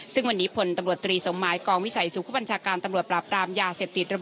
ซึ่งวันนี้ผลตรีสมไมค์กองวิสัยสูงคุณปัญชาการพราบตามยาเสพติด